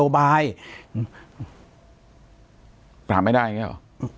ปากกับภาคภูมิ